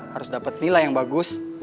harus dapat nilai yang bagus